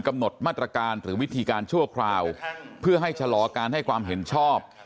กำหนดมาตรการหรือวิธีการชั่วคราวเพื่อให้ชะลอการให้ความเห็นชอบ